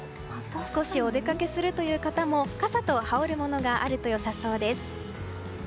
少しお出かけするという方も傘と羽織るものがあると良さそうです。